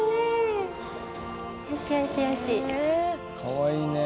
かわいいね。